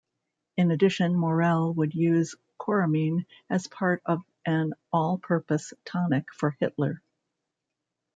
In addition, Morell would use Coramine as part of an all-purpose "tonic" for Hitler.